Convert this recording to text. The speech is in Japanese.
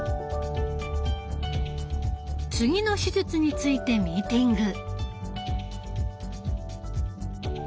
次の手術についてミーティング。